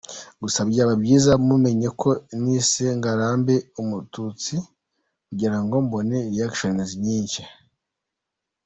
Gusa byaba byiza mumenye ko nise Ngarambe umututsi kugirango mbone “réactions” nyinshi.